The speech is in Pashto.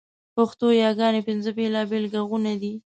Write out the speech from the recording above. پښتو یاګاني پینځه بېل بېل ږغونه دي.